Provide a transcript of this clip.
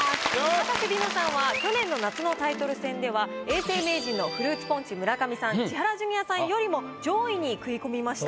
かたせ梨乃さんは去年の夏のタイトル戦では永世名人のフルーツポンチ村上さん千原ジュニアさんよりも上位に食い込みました。